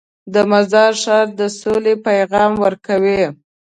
د مزار ښار د سولې پیغام ورکوي.